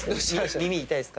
耳痛いんですか？